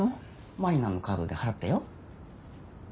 麻里奈のカードで払ったよ。